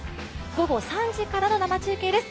午後３時からの生中継です。